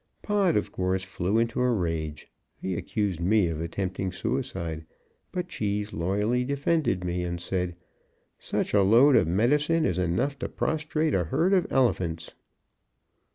Pod, of course, flew into a rage. He accused me of attempting suicide; but Cheese loyally defended me and said, "Such a load of medicine is enough to prostrate a herd of elephants."